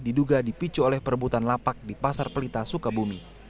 diduga dipicu oleh perebutan lapak di pasar pelita sukabumi